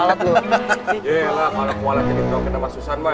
kualet ini kencet sama susan